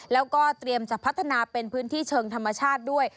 แล้วก็เตรียมจะพัฒนาเป็นพื้นที่เชิงธรรมชาติด้วย